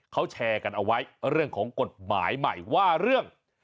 เขาแชร์กันเอาไว้เรื่องของกฎหมายใหม่ว่าเรื่อง